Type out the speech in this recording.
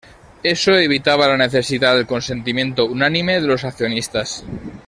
Esto evitaba la necesidad del consentimiento unánime de los accionistas.